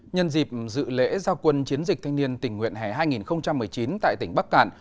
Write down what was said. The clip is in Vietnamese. nhân dịp dự lễ gia quân chiến dịch thanh niên tình nguyện hẻ hai nghìn một mươi chín tại tỉnh bắc cạn